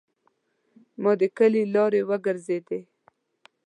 ما د کلي لارې وګرځیدې.